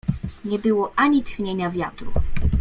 Nie było ani tchnienia wiatru.